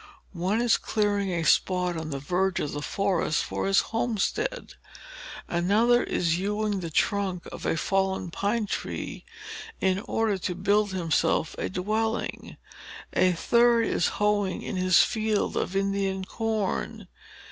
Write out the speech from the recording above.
One is clearing a spot on the verge of the forest for his homestead; another is hewing the trunk of a fallen pine tree, in order to build himself a dwelling; a third is hoeing in his field of Indian corn.